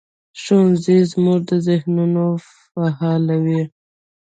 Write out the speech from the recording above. ښوونځی زموږ ذهنونه فعالوي